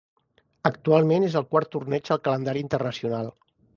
Actualment és el quart torneig al calendari internacional.